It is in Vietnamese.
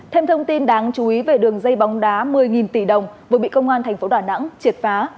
thêm thông tin đáng chú ý về đường dây bóng đá một mươi tỷ đồng vừa bị công an tp đà nẵng triệt phá